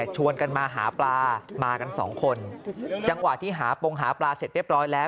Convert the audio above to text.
ชวนกันมาหาปลามากันสองคนจังหวะที่หาปงหาปลาเสร็จเรียบร้อยแล้ว